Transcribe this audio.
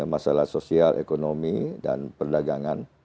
masalah sosial ekonomi dan perdagangan